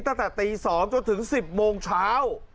ตั้งแต่ตีสองจนถึงสิบโมงเช้า